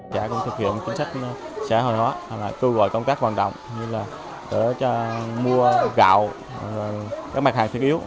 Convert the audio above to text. xã cũng thực hiện chính sách xã hội hóa cơ gọi công tác hoàn động như là để cho mua gạo các mạch hàng thiết yếu